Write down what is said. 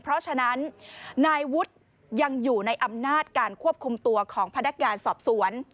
เพราะฉะนั้นนายวุฒิยังอยู่ในอำนาจการควบคุมตัวของพนักงานสอบสวน